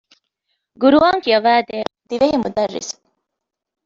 ޤުރުއާން ކިޔަވައިދޭ ދިވެހި މުދައްރިސު